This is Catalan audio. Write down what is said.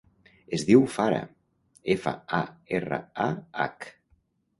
Es diu Farah: efa, a, erra, a, hac.